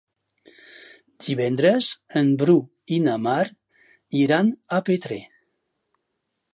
Divendres en Bru i na Mar iran a Petrer.